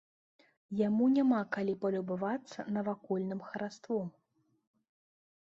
Яму няма калі палюбавацца навакольным хараством.